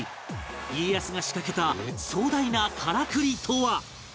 家康が仕掛けた壮大なカラクリとは？